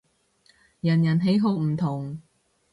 人人喜好唔同